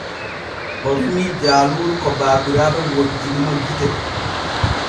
O rimii jaaluuru ko baabiraaɓe wojjini mo gite.